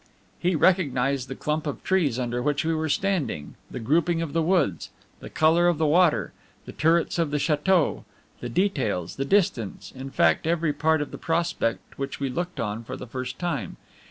He recognized the clump of trees under which we were standing, the grouping of the woods, the color of the water, the turrets of the chateau, the details, the distance, in fact every part of the prospect which we looked on for the first time.